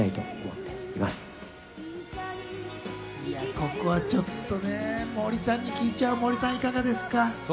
ここはちょっと、森さんに聞いちゃう、いかがですか？